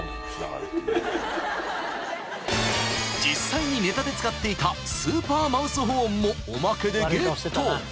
［実際にネタで使っていたスーパーマウスホーンもおまけでゲット！］